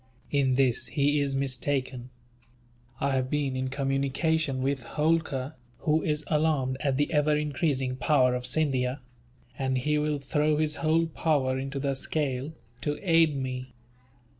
"In this he is mistaken. I have been in communication with Holkar, who is alarmed at the ever increasing power of Scindia; and he will throw his whole power into the scale, to aid me.